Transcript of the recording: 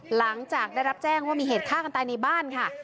หลังจากได้รับแจ้งว่ามีเหตุฆ่ากันตายในบ้านค่ะ